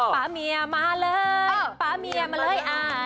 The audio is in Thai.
ป๊าเมียมาเลยป๊าเมียมาเลย